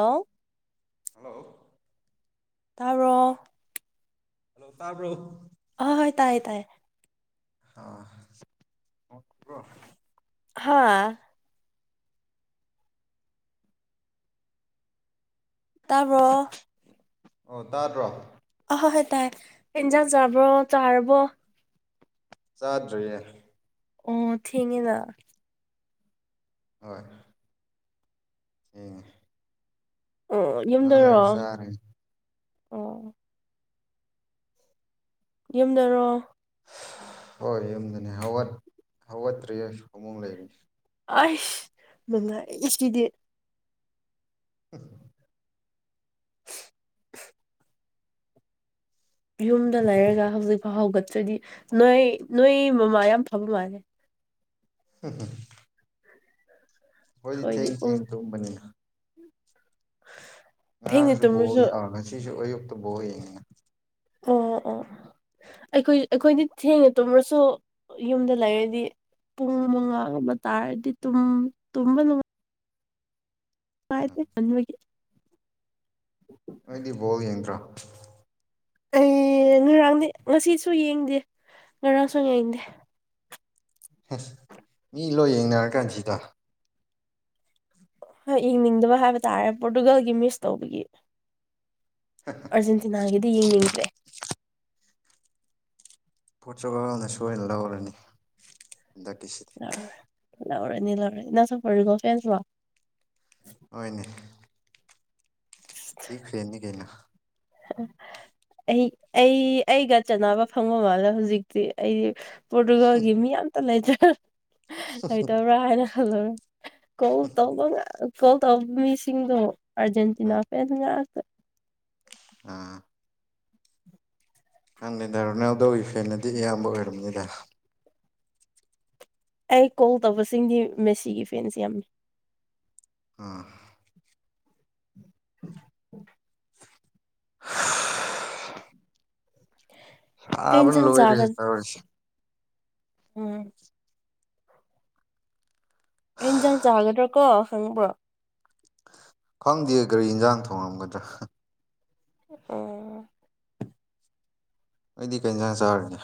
ꯑꫭ ꯍꯜꯂꯣ ꯇꯔꯣ ꯍꯜꯂꯣ ꯇꯥꯕ꯭ꯔꯣ ꯑ ꯍꯣꯏ ꯇꯥꯏꯌꯦ-ꯇꯥꯏꯌꯦ ꯑꯥ ꯍꯥꯥ ꯇꯥꯕ꯭ꯔꯣ ꯑꯣ ꯇꯥꯗ꯭ꯔꯣ ꯑꯍꯣ ꯍꯦ ꯇꯥꯏ ꯀꯔꯤ ꯏꯖꯥꯡ ꯆꯕ꯭ꯔꫭ ꯆꯔꯕꯣ ꯆꯥꯗ꯭ꯔꯤꯌꯦ ꯑꯣ ꯊꯦꯡꯉꯤꯅ ꯍꯣꯏ ꯊꯦꯡꯉꯦ ꯑꯣ ꯉꯏꯥꯛ ꯂꯩꯔꯒ ꯌꯨꯝꯗꯔꯣ ꯆꯅꯤ ꯑꯣ ꯌꯨꯝꯗꯔꯣ ꯍꯣꯏ ꯌꯨꯝꯗꯅꯤ ꯍꯧꯠꯇ꯭ꯔꯤ ꯐꯃꯨꯡ ꯂꯩꯕꯅꯦ ꯑꯁ ꯅꯨꯉꯥꯏꯌꯦ ꯁꯗꯤ ꯑꯪ ꯌꯨꯝꯗ ꯂꯩꯔꯒ ꯍꯧꯖꯤꯛꯐꯥꯎ ꯍꯧꯒꯠꯇ꯭ꯔꯗꯤ ꯅꯣꯏ ꯅꯣꯏ ꯃꯃꯥ ꯌꯥꯝ ꯐꯕ ꯃꯥꯜꯂꯦ ꯎꯝ ꯎꯝ ꯍꯣꯏꯗꯤ ꯑꯩꯈꯣꯏꯗꯤ ꯊꯦꯡ-ꯊꯦꯡ ꯄꯨꯡ ꯇꯨꯝꯕꯅꯤꯅ ꯊꯦꯡꯅ ꯉꯔꯥꯡꯁꯨ ꯕꯣꯜ ꯇꯨꯝꯃꯁꯨ ꯌꯥꯎ ꯉꯁꯤꯁꯨ ꯑꯌꯨꯛꯇ ꯕꯣꯜ ꯌꯦꯡꯉꯤꯅ ꯑꯣ ꯑꯣ ꯑꯩꯈꯣꯏ ꯑꯩꯈꯣꯏꯗꯤ ꯊꯦꯡꯅ ꯇꯨꯝꯃ꯭ꯔꯁꯨ ꯌꯨꯝꯗ ꯂꯩꯔꯗꯤ ꯄꯨꯡ ꯃꯉꯥꯒꯨꯝꯕ ꯇꯥꯔꯗꯤ ꯇꯨꯝ-ꯇꯨꯝꯕ ꯅꯨꯡꯉꯥꯏ [unintelligible] ꯅꯣꯏꯗꯤ ꯕꯣꯜ ꯌꯦꯡꯗ꯭ꯔꯣ ꯑꯩ ꯉꯔꯥꯡꯗꯤ ꯉꯁꯤꯁꯨ ꯌꯦꯡꯗꯦ ꯉꯔꯥꯡꯁꯨ ꯌꯦꯡꯗꯦ [inaudible] ꯏꯂꯣ ꯌꯦꯡꯅꯔ ꯀꯥꯟꯁꯤꯗ ꯍꯣꯏ ꯌꯦꯡꯅꯤꯡꯗꯕ ꯍꯥꯏꯕ ꯇꯥꯔꯦ ꯄꯣꯔꯇꯨꯒꯜꯒꯤ ꯃꯤꯁ ꯇꯧꯕꯒꯤ꯫ ꯑꯥꯔꯖꯦꯟꯇꯤꯅꯥꯒꯤꯗꯤ ꯌꯦꯡꯅꯤꯡꯗ꯭ꯔꯦ꯫ ꯄꯣꯔꯇꯨꯒꯜꯅ ꯁꯣꯏ ꯂꯧꯔꯅꯤ ꯍꯟꯗꯛꯀꯤꯁꯤ ꯂꯧꯔꯦ ꯂꯧꯔꯅꯤ ꯂꯧꯔꯅꯤ ꯅꯪꯁꯨ ꯄꯣꯔꯇꯨꯒꯜ ꯐꯦꯟꯁꯂꯣ꯫ ꯃꯥꯏꯅꯦ ꯐꯦꯟꯅꯤ ꯀꯩꯅꯣ ꯑꯩ ꯑꯩ ꯑꯩꯒ ꯆꯅꯕ ꯐꯪꯕ ꯃꯥꯜꯂꯦ꯫ ꯍꯧꯖꯤꯛꯇꯤ ꯑꯩꯗꯤ ꯄꯣꯔꯇꯨꯒꯜꯒꯤ ꯃꯤ ꯑꯇ ꯂꯩꯇ꯭ꯔꯦ꯫ ꯂꯩꯇꯕ꯭ꯔꯥ ꯍꯥꯏꯅ ꯈꯜꯂꯨꯔꯦ ꯀꯣꯜ ꯇꯧꯕ ꯉꯥꯛ ꯀꯣꯜ ꯇꯧꯕ ꯃꯤꯁꯤꯡꯗꯣ ꯑꯥꯔꯖꯦꯟꯇꯤꯅꯥ ꯅꯪ ꯐꯦꯟ ꯉꯥꯛꯇ꯫ ꯑꯥ ꯅꯪ ꯅꯦꯗꯔꯃꯦꯜꯗꯣ ꯒꯤ ꯐꯦꯟꯅꯗꯤ ꯑꯌꯥꯝꯕ ꯑꯣꯏꯔꯝꯅꯤꯗ꯫ ꯑꯩ ꯀꯣꯜ ꯇꯧꯕꯁꯤꯡꯗꯤ ꯃꯦꯁꯤꯒꯤ ꯐꯦꯟꯁ ꯌꯥꯝꯃꯤ꯫ ꯑꯥ ꯎꯝ ꯁꯥꯕꯅ ꯀꯩꯏꯟꯁꯥꯡ ꯆꯥꯒ ꯂꯣꯏꯔꯦꯍꯦ ꯇꯧꯔꯤꯁꯦ ꯎꯝ ꯀꯩ ꯏꯟꯁꯥꯡ ꯆꯥꯒꯗ꯭ꯔ ꯀꯣ ꯈꯪꯕ꯭ꯔꯣ ꯈꯪꯗꯦ ꯀꯔꯤ ꯏꯟꯖꯥꯡ ꯊꯣꯡꯉꯝꯒꯗ꯭ꯔꯥ ꯍꯥ ꯑꯣ ꯅꯣꯏꯗꯤ ꯀꯩꯟꯖꯥꯡ ꯆꯥꯔꯅꯤ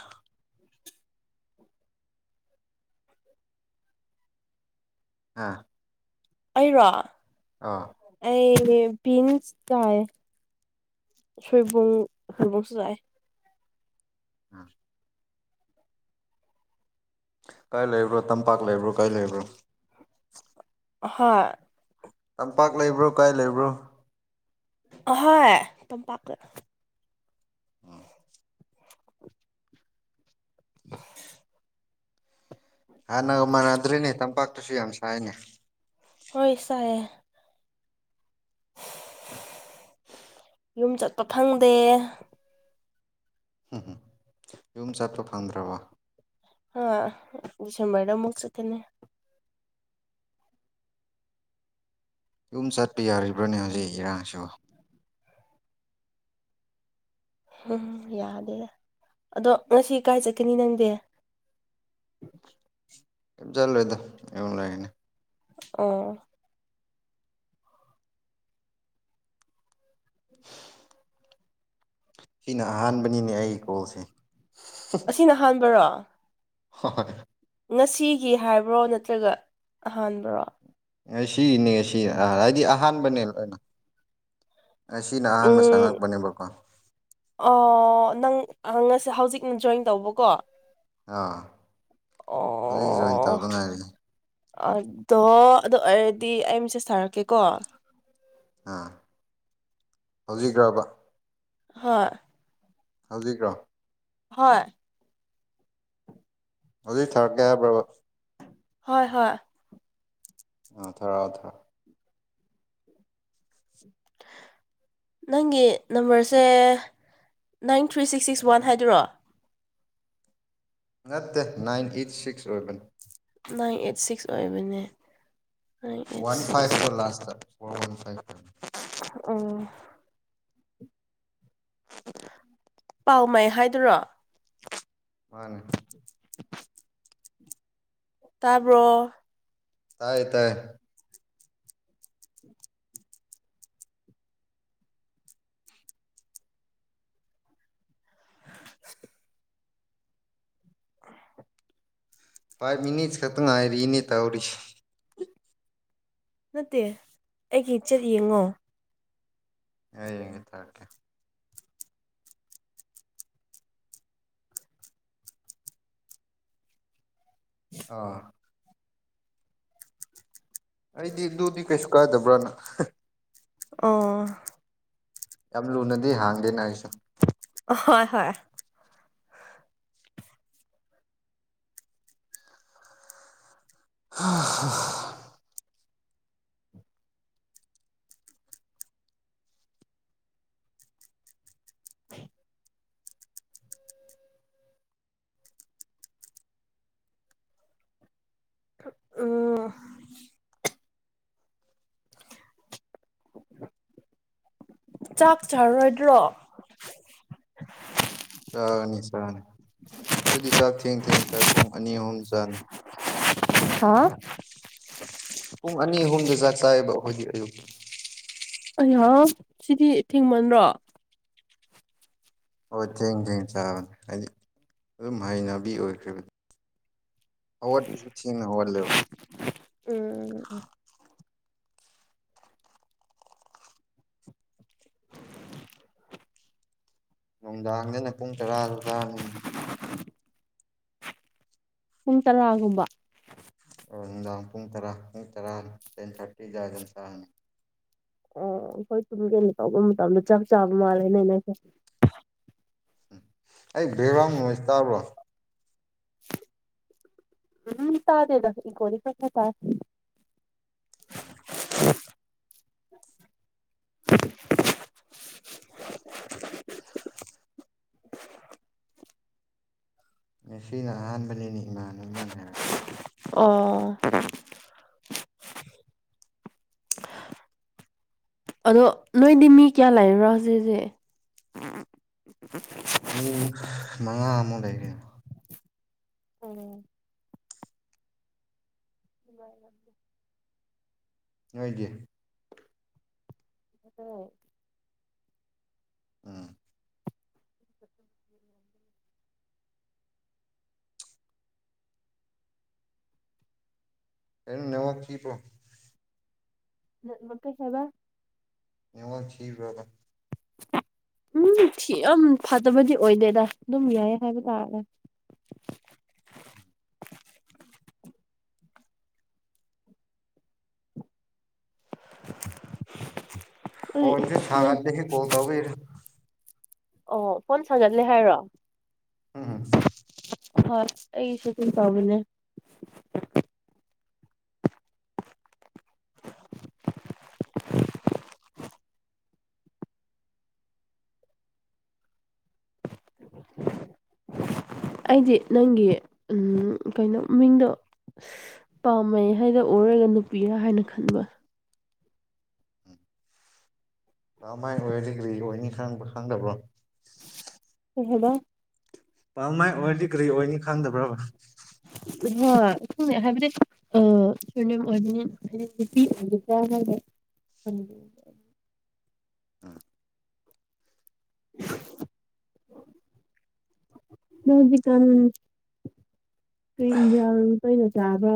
ꯍꯥꯥ ꯑꯩꯔꯣ ꯑꯥ ꯑꯩꯗꯤ ꯄꯤꯟꯁ ꯆꯥꯥꯏꯌꯦ꯫ ꯁꯣꯏꯕꯨꯡ ꯁꯣꯏꯕꯨꯡꯁꯨ ꯆꯥꯏ꯫ ꯎꯝ ꯀꯥꯏ ꯂꯩꯕ꯭ꯔꯣ ꯇꯝꯄꯥꯛ ꯂꯩꯕ꯭ꯔꯣ ꯀꯥꯏ ꯂꯩꯕ꯭ꯔꯣ? ꯑꯍꯣꯏ ꯇꯝꯄꯥꯛ ꯂꯩꯕ꯭ꯔꯣ ꯀꯥꯏ ꯂꯩꯕ꯭ꯔꯣ? ꯍꯣꯏ ꯇꯝꯄꯥꯛꯇ꯫ ꯎꯝ [unintelligible] ꯍꯥꯟꯅꯒ ꯃꯥꯟꯅꯗ꯭ꯔꯤꯅꯦ ꯇꯝꯄꯥꯛꯇꯨꯁꯨ ꯌꯥꯝ ꯁꯥꯏꯅꯦ ꯍꯣꯏ ꯁꯥꯏꯌꯦ꯫ ꯌꯨꯝ ꯆꯠꯄ ꯐꯪꯗꯦ꯫ ꯎꯝ ꯌꯨꯝ ꯆꯠꯄ ꯐꯪꯗ꯭ꯔꯕ? ꯍꯥ ꯗꯤꯁꯦꯝꯕꯔꯗ ꯑꯃꯨꯛ ꯆꯠꯀꯅꯤ꯫ ꯌꯨꯝ ꯆꯠꯄ ꯌꯥꯔꯤꯕ꯭ꯔꯅꯦ ꯍꯧꯖꯤꯛ ꯏꯔꯥꯡꯁꯤꯕꯨ꯫ ꯎꯝ ꯌꯥꯗꯦꯗ꯫ ꯑꯗꯣ ꯉꯁꯤ ꯀꯥꯏ ꯆꯠꯀꯅꯤ ꯅꯪꯗꯤ? ꯀꯩꯝ ꯆꯠꯂꯣꯏꯗ ꯌꯨꯝ ꯂꯩꯥꯒꯅꯤ꯫ ꯑꯣ ꯁꯤꯅ ꯑꯍꯥꯟꯕꯅꯤꯅꯦ ꯑꯩ ꯀꯣꯜꯁꯦ꯫ ꯑꯁꯤꯅ ꯍꯥꯟꯕꯔꯣ꯫ ꯍꯣꯏ ꯍꯣꯏ ꯉꯁꯤꯒꯤ ꯍꯥꯏꯕ꯭ꯔꯣ ꯅꯠꯇ꯭ꯔꯒ ꯑꯍꯥꯟꯕ꯭ꯔꯣ? ꯉꯁꯤꯒꯤꯅꯦ ꯉꯁꯤ ꯑ ꯍꯥꯏꯗꯤ ꯑꯍꯥꯟꯕꯅꯦ ꯂꯣꯏꯅ ꯉꯁꯤꯅ ꯑꯍꯥꯟꯕ ꯁꯥꯟꯅꯔꯛꯄꯅꯦꯕꯀꯣ꯫ ꯑꯣꯍꯣ ꯅꯪ ꯑ ꯉꯁꯤ ꯍꯧꯖꯤꯛꯅ ꯖꯣꯏꯟ ꯇꯧꯕꯀꯣ꯫ ꯑꯥ ꯍꯧꯖꯤꯛ ꯖꯣꯏꯟ ꯑꯣ ꯇꯧꯗ ꯉꯥꯏꯔꯤ꯫ ꯑꯗꯣ ꯑꯗꯨ ꯑꯣꯏꯔꯗꯤ ꯑꯩ ꯃꯦꯁꯦꯁ ꯊꯥꯔꯛꯀꯦꯀꯣ꯫ ꯑꯥ ꯍꯧꯖꯤꯛꯔꯕ? ꯍꯣꯏ ꯍꯧꯖꯤꯛꯔꯣ? ꯍꯣꯏ ꯍꯧꯖꯤꯛ ꯊꯥꯔꯛꯀꯦ ꯍꯥꯏꯕ꯭ꯔꯕ? ꯍꯣꯏ ꯍꯣꯏ ꯑꯥ ꯊꯥꯔꯛꯑꯣ ꯊꯥꯔꯑꯣ ꯅꯪꯒꯤ ꯅꯝꯕꯔꯁꯦ nine three six six one ꯍꯥꯏꯗꯨꯔꯣ? ꯅꯠꯇꯦ ꯅꯥꯏꯟ ꯑꯩꯠ ꯁꯤꯛꯁ ꯑꯣꯏꯕꯅꯤ꯫ ꯅꯥꯏꯟ ꯑꯩꯠ ꯁꯤꯛꯁ ꯑꯣꯏꯕꯅꯦ꯫ Nine eight one five six four last one five ꯑꯣ [unintelligible] ꯄꯥꯎ ꯃꯩ ꯍꯥꯏꯗꯨꯔꯣ? ꯃꯥꯅꯦ ꯇꯥꯕ꯭ꯔꯣ? ꯇꯥꯏ ꯇꯥꯏ [inaudible] [inaudible] ꯐꯥꯏꯚ ꯃꯤꯅꯤꯠꯁ ꯈꯛꯇꯪ ꯉꯥꯏꯔꯤꯅꯦ ꯇꯧꯔꯤꯁꯤ ꯅꯠꯇꯦ ꯑꯩꯒꯤ ꯆꯦꯠ ꯌꯦꯡꯉꯣ꯫ [unintelligible] ꯑꯥ ꯑꯩꯗꯤ ꯑꯗꯨꯗꯤ ꯀꯩꯁꯨ ꯀꯥꯏꯗꯕ꯭ꯔꯥꯅ ꯑꯣ ꯌꯥꯝ ꯂꯨꯅꯗꯤ ꯍꯥꯡꯗꯦꯅ ꯑꯩꯁꯨ ꯍꯣꯏ ꯍꯣꯏ [unintelligible] ꯎꯝ ꯆꯥꯛ ꯆꯥꯔꯣꯏꯗ꯭ꯔꯣ? ꯆꯥꯅꯤ- ꯆꯥꯅꯤ ꯑꯩꯈꯣꯏꯗꯤ ꯆꯥꯛ ꯊꯦꯡ - ꯊꯦꯡ ꯆꯥꯏ ꯄꯨꯡ ꯑꯅꯤ ꯑꯍꯨꯝ ꯆꯥꯅꯤ꯫ ꯍꯥ ꯄꯨꯡ ꯑꯅꯤ ꯑꯍꯨꯝꯗ ꯆꯥꯛ ꯆꯥꯏꯌꯦꯕ ꯑꯩꯈꯣꯏꯗꯤ ꯑꯌꯨꯛ꯫ ꯑꯌꯥ ꯁꯤꯗꯤ ꯊꯦꯡꯃꯟꯔꯣ? ꯍꯣꯏ ꯊꯦꯡ - ꯊꯦꯡ ꯆꯥꯕꯅꯦ ꯍꯥꯏꯗꯤ ꯑꯗꯨꯝ ꯍꯩꯅꯕꯤ ꯑꯣꯏꯈ꯭ꯔꯦ ꯕ꯫ ꯍꯧꯒꯠꯄꯁꯨ ꯊꯦꯡꯅ ꯍꯧꯒꯠꯂꯦꯕ꯫ ꯎꯝ ꯅꯨꯡꯗꯥꯡꯗꯅ ꯄꯨꯡ ꯇꯔꯥꯗ ꯇꯥꯔꯅꯤ ꯄꯨꯡ ꯇꯔꯥꯒꯨꯝꯕ ꯑꯣ ꯅꯨꯡꯗꯥꯡ ꯄꯨꯡ ꯇꯔꯥ ꯄꯨꯡ ꯇꯔꯥ ꯇꯦꯟ ꯊꯥꯔꯇꯤ ꯗꯥꯏꯗ ꯑꯗꯨꯝ ꯆꯥꯅꯤ꯫ ꯑꯣ ꯑꯩꯈꯣꯏ ꯁꯨꯝ ꯀꯩꯅꯣ ꯇꯧꯕ ꯃꯇꯝꯗ ꯆꯥꯛ ꯆꯥꯕ ꯃꯥꯜꯂꯦꯅꯦ ꯑꯩꯁꯦ ꯑꯩ ꯕꯦꯛꯒ꯭ꯔꯥꯎꯟ ꯅꯣꯏꯁ ꯇꯥꯕ꯭ꯔꯣ? ꯎꯝ ꯇꯥꯗꯦꯗ ꯏꯒꯣꯗꯤ ꯈꯔ- ꯈꯔ ꯇꯥꯏ꯫ ꯉꯁꯤꯅ ꯑꯍꯥꯟꯕꯅꯤꯅꯦ ꯑꯣ ꯑꯗꯣ ꯅꯣꯏꯗꯤꯃꯤ ꯀꯌꯥ ꯂꯩꯕ꯭ꯔꯥ ꯍꯧꯖꯤꯛꯇꯤ? ꯃꯤ ꯃꯉꯥ ꯃꯨꯛ ꯂꯩꯌꯦ꯫ ꯎꯝ [unintelligible] ꯅꯣꯢꯗꯤ? ꯑꯣ [inaudible] ꯎꯝ ꯑꯦ ꯅꯃꯛꯥꯛ ꯀ ꯄ꯭ꯔꯣ [inaudible] ꯃꯀꯩ ꯍꯥꯏꯕ [inaudible] ꯑ ꯋꯥ ꯊꯤ꯭ꯔꯕꯥ ꯎꯝ ꯁꯤ ꯌꯥꯝ ꯐꯠꯇꯕꯗꯤ ꯑꯣꯏꯗꯦꯗ ꯑꯗꯨꯝ ꯌꯥꯏꯌꯦ ꯍꯥꯏꯕ ꯇꯥꯔꯒ [inaudible] [inaudible] ꯄꯣꯟꯁꯤꯦ ꯁꯥꯒꯔꯗꯒꯤꯦ ꯀꯣꯊꯧꯕꯔ ꯑꯣ ꯐꯣꯟ ꯁꯥꯒꯠꯂꯦ ꯍꯥꯏꯔꯣ ꯎꯝꯝ ꯍ ꯑꯩꯁꯨꯇ ꯇꯕꯅꯦ [unintelligible] ꯑꯩꯗꯤ ꯅꯪꯒꯤ ꯀꯩꯅꯣ ꯃꯤꯡꯗꯣ ꯄꯥꯝꯃꯦꯩ ꯍꯥꯏꯅ ꯑꯣꯏꯔꯒ ꯅꯨꯄꯤꯔ ꯍꯥꯏꯅ ꯈꯟꯕ ꯀꯃꯥꯏꯅ ꯑꯣꯏꯔꯗꯤ ꯀꯔꯤ ꯑꯣꯏꯅꯤ ꯈꯕ ꯈꯪꯗꯕ꯭ꯔꯣ ꯀꯩ ꯍꯥꯢꯕ ꯄꯥꯝ ꯃꯥꯏ ꯑꯣꯏꯔꯗꯤ ꯀꯔꯤ ꯑꯣꯏꯅꯤ ꯈꯪꯗꯕ꯭ꯔꯕ ꯍ ꯍꯥꯏꯕꯤꯔꯦ ꯑꯨꯝꯅꯝ [inaudible] ꯑꯥ ꯅꯪ ꯍꯧꯖꯤꯛꯒꯥꯟ ꯀꯖ ꯀꯩꯅꯅ ꯆꯥꯕ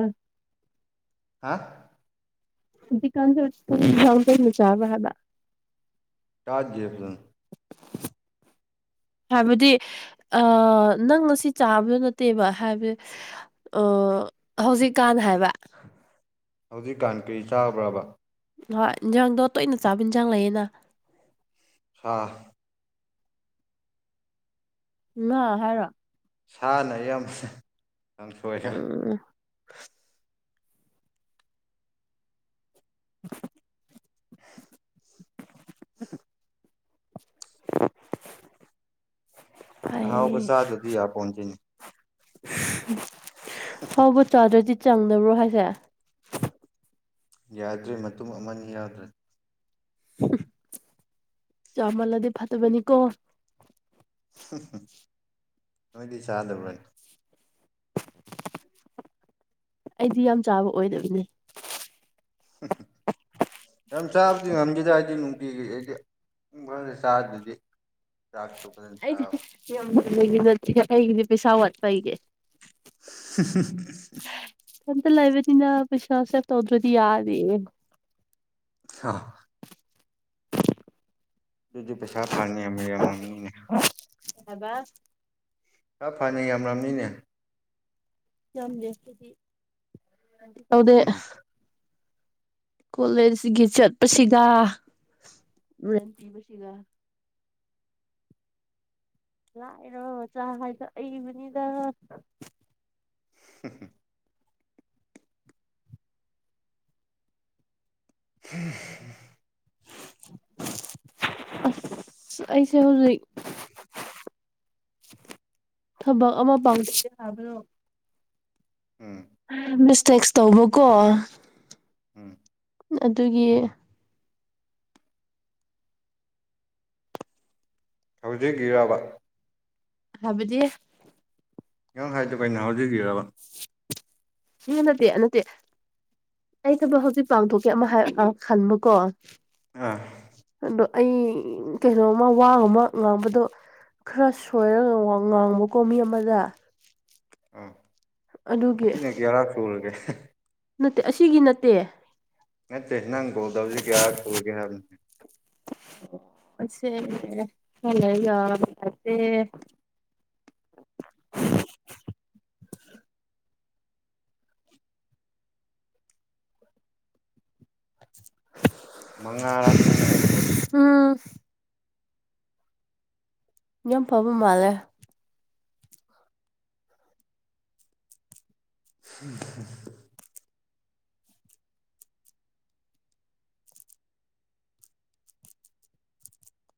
ꯍꯥ ꯗꯤꯀꯥꯟ ꯆ ꯀ ꯆꯥꯕ ꯍꯥꯕꯥ [inaudible] ꯇꯥꯖ ꯦꯞꯁꯤꯡꯟ [inaudible] ꯍꯥꯏꯕꯗꯤ ꯑ ꯅꯪꯁꯤ ꯆꯥꯕꯗꯣ ꯅꯠꯇꯦꯕ ꯍꯥꯏꯕꯗꯤ ꯑꯣ ꯍꯧꯖꯤꯛꯀꯥꯟꯅ ꯍꯥꯏꯕ ꯍꯧꯖꯤꯛꯀꯥꯟ ꯀꯔꯤ ꯆꯥꯕ꯭ꯔꯕ ꯍ ꯏꯟꯖꯥꯡꯗꯣ ꯇꯣꯏꯅ ꯆꯥꯕ ꯏꯟꯁꯥꯡ ꯂꯩꯌꯦꯅ ꯁꯥ ꯉꯥ ꯍꯥꯏꯔꯣ ꯁꯥꯅ ꯌꯥꯝ ꯌꯥꯝꯁꯣꯏꯒ ꯎꯝ [inaudible] [unintelligible] [unintelligible] ꯍꯥꯎ ꯄꯁ ꯁꯥꯗ ꯑꯗꯨꯗꯤꯤ ꯌꯥ ꯄꯣꯆꯤꯅꯤ ꯐꯥꯎꯕ ꯆꯥꯗ꯭ꯔꯗꯤ ꯆꯪꯗꯕ꯭ꯔꯣ ꯍꯥꯏꯁꯦ ꯌꯥꯗ꯭ꯔꯦ ꯃꯇꯨꯡ ꯑꯃꯅꯤ ꯌꯥꯎꯗ꯭ꯔꯦ ꯆꯥꯎꯃꯂꯗꯤ ꯐꯠꯇꯕꯅꯤ ꯀꯣ ꯅꯣꯏꯗꯤ ꯆꯥꯗꯕ꯭ꯔꯥ ꯑꯩꯗꯤ ꯌꯥꯝ ꯆꯥꯕ ꯑꯣꯏꯗꯣꯏꯅꯦ ꯍꯨꯝ ꯍꯨꯝ ꯌꯥꯝ ꯆꯥꯕꯗꯤ ꯉꯝꯈꯤꯗ꯭ꯔꯥ ꯍꯥꯏꯗꯤ ꯅꯨꯡꯇꯤꯒꯤ ꯑꯩꯗꯤ ꯄꯨꯡ ꯈꯔꯗ ꯆꯥꯗꯗꯤ ꯆꯥꯛ ꯇꯣꯛ ꯑꯩꯗꯤ ꯌꯥꯝꯒꯤ ꯅꯠꯇꯦ ꯑꯩꯒꯤꯗꯤ ꯄꯩꯁꯥ ꯋꯥꯠꯄꯩꯒꯦ [inaudible] ꯍꯟꯇ ꯂꯩꯥꯏꯕꯅꯤꯅ ꯕꯤꯁꯋꯥꯁꯦ ꯇꯧꯗ꯭ꯔꯗꯤ ꯌꯥꯔꯦ ꯑ ꯑꯗꯨꯗꯤ ꯄꯩꯁꯥ ꯐꯥꯅꯤ ꯃ ꯌꯥꯝ ꯃꯃꯤꯅꯦ ꯌꯥꯕ ꯆ ꯐꯅ ꯌꯥꯝꯂꯅꯤꯅꯦ ꯌꯥꯝ ꯇꯗ ꯀꯣꯂꯦꯖꯒꯤ ꯆꯠꯄꯁꯤꯒ ꯔꯇ ꯐꯔꯤꯀꯔ ꯂꯥꯛꯔꯣ ꯃꯆꯥ ꯍꯥꯏꯗꯣ ꯑꯏꯕꯅꯤꯗ [unintelligible] ꯍꯝ ꯑꯁ ꯑꯩꯁꯦ ꯍꯧꯖꯤꯛ ꯊꯕꯛ ꯑꯃ ꯄꯥꯡꯦ ꯍꯥꯏꯕ꯭ꯔꯣ ꯎꯝ ꯃꯤꯁꯇꯦꯛꯁ ꯇꯧꯕꯀꯣ ꯎꯝ ꯑꯗꯨꯒꯤ ꯍꯧꯖꯤꯛ ꯏꯔꯕ ꯍꯥꯏꯕꯗꯤ ꯅꯪ ꯍꯥꯏꯗꯦ ꯀꯩꯅꯣ ꯍꯧꯖꯈꯤꯔꯕ ꯍ ꯅꯠꯇꯦ ꯅꯠꯇꯦ ꯑꯩ ꯊꯕꯛ ꯍꯧꯖꯤꯛ ꯄꯥꯡꯊꯣꯛꯀꯦ ꯑꯃ ꯈꯟꯕꯨꯀꯣ ꯑꯥ ꯑꯗꯣ ꯑꯩ ꯀꯩꯅꯣꯃ ꯋꯥ ꯑꯃ ꯉꯥꯡꯕꯗꯣ ꯈꯔ ꯁꯣꯏꯔꯒ ꯉꯥꯡꯕꯀꯣ ꯃꯤ ꯑꯃꯗ ꯑꯥ ꯑꯗꯨꯒꯤ ꯁꯤꯅ ꯀ ꯍꯔꯥꯛ ꯁꯨꯔꯒꯦ ꯅꯠꯇꯦ ꯑꯁꯤꯒꯤ ꯅꯠꯇꯦ ꯅꯠꯇꯦ ꯅꯪ ꯀꯣꯜ ꯇꯧꯁꯤ ꯀꯌꯥ ꯁꯨꯔꯒꯦ ꯍꯥꯏꯕꯅꯤ ꯁꯦ ꯍꯂ ꯌꯥꯦ ꯃꯉꯥꯔꯛꯅꯤꯅ ꯑꯩꯅ ꯇꯧꯗꯣꯏꯁꯤ ꯎꯝ ꯌꯥꯝ ꯐꯕ ꯃꯥꯜꯂꯦ ꯎꯝ